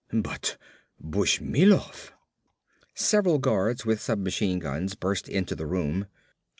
But Bushmilov!" Several guards with submachine guns burst into the room.